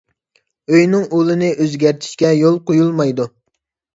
ئۆينىڭ ئۇلىنى ئۆزگەرتىشكە يول قويۇلمايدۇ.